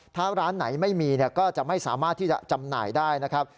ถ้าร้านไหนไม่มีก็จะไม่สามารถที่จะจำหน่ายได้นะครับ